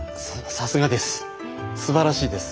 さすがです。